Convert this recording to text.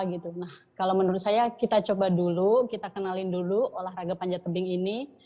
kalau menurut saya kita coba dulu kita kenalin dulu olahraga panjat tebing ini